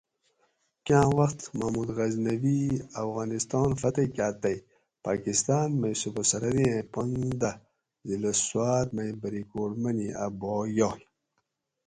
کاں وخت محمود غزنوی افغانستان فتح کاۤ تئ پاکستان مئ صوبہ سرحد ایں پن دہ ضلع سوات مئ بریکوٹ منی اۤ بھاک یاگ